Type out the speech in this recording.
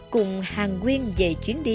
cùng hàng quyên về chuyến đi